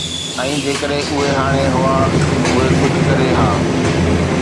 ۽ جيڪڏهن اهي هاڻي هئا، اهي ڪجهه ڪري ها.